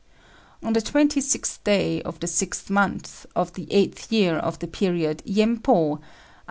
On the twenty sixth day of the sixth month of the eighth year of the period Yempô (A.D.